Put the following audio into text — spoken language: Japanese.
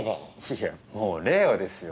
いやもう令和ですよ。